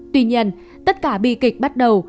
tuy nhiên tất cả bi kịch bắt đầu